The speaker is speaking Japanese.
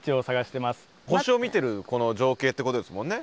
星を見てるこの情景ってことですもんね？